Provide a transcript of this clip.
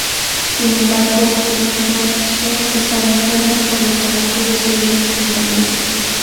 Sin embargo, Li Yuen-Tzu estaba enfermo, por lo que no pudo seguir enseñándole.